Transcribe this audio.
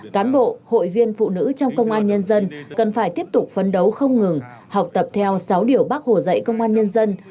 cán bộ hội viên phụ nữ trong công an nhân dân cần phải tiếp tục phấn đấu không ngừng học tập theo sáu điều bác hồ dạy công an nhân dân